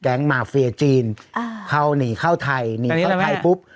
มาเฟียจีนเข้าหนีเข้าไทยหนีเข้าไทยปุ๊บ